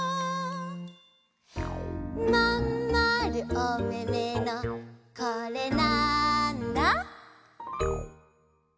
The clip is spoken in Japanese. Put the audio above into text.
「まんまるおめめのこれなんだ？」